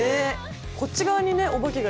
こっち側にお化けが